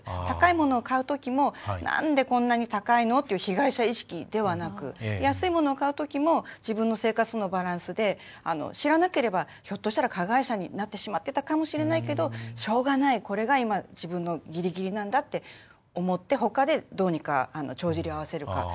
高いものを買うときも、なんでこんなに高いの？っていう被害者意識ではなく安いものを買うときも自分の生活とのバランスで知らなければひょっとしたら加害者になってたかもしれないけどしょうがない、これが今、自分のギリギリなんだと思ってほかでどうにか帳尻を合わせる。